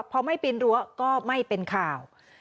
พอไม่ปีนรั้วก็ไม่เป็นข่าว